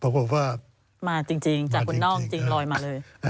บอกว่ามาจริงจากคนนอกจริงลอยมาเลย